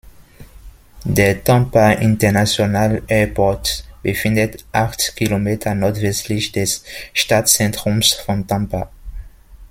Der Tampa International Airport befindet acht Kilometer nordwestlich des Stadtzentrums von Tampa.